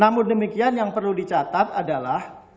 namun demikian yang perlu dicatat adalah